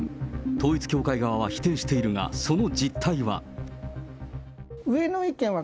統一教会側は否定しているが、その実態は。